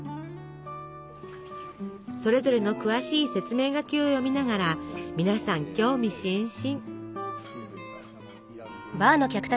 それぞれの詳しい説明書きを読みながら皆さん興味津々。